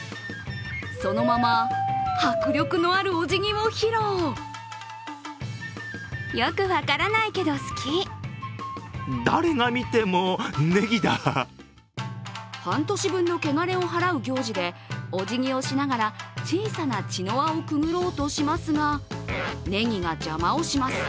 そのまま、迫力のあるおじぎを披露半年分のけがれを払う行事でおじぎをしながら小さな茅の輪をくぐろうとしますがネギが邪魔をします。